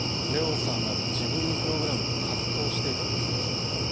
ＬＥＯさんが自分のプログラムと藤していたということです。